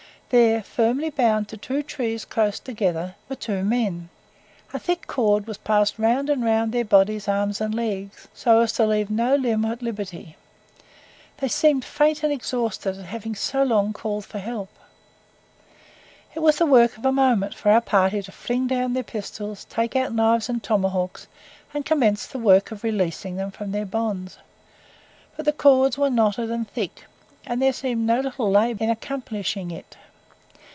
There, firmly bound to two trees close together, were two men. A thick cord was passed round and round their bodies, arms, and legs, so as to leave no limb at liberty. They seemed faint and exhausted at having called so long for help. It was the work of a moment for our party to fling down their pistols, take out knives and tomahawks, and commence the work of releasing them from their bonds. But the cords were knotted and thick, and there seemed no little labour in accomplishing it.